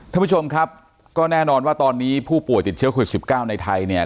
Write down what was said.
ท่านผู้ชมครับก็แน่นอนว่าตอนนี้ผู้ป่วยติดเชื้อโควิด๑๙ในไทยเนี่ย